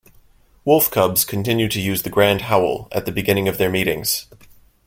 Wolf Cubs continue to use the Grand Howl at the beginning of their meetings.